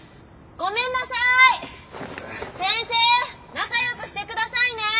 仲良くしてくださいね！